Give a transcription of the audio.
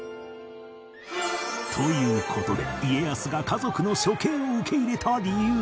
という事で家康が家族の処刑を受け入れた理由